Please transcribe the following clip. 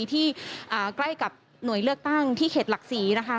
ที่ใกล้กับหน่วยเลือกตั้งที่เขตหลักศรีนะคะ